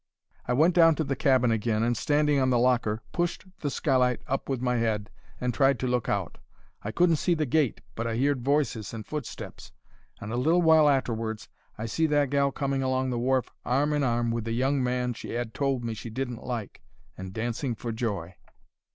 "I went down to the cabin agin, and, standing on the locker, pushed the skylight up with my 'ead and tried to lookout. I couldn't see the gate, but I 'eard voices and footsteps, and a little while arterwards I see that gal coming along the wharf arm in arm with the young man she 'ad told me she didn't like, and dancing for joy.